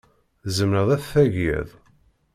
Tzemreḍ ad t-tagiḍ?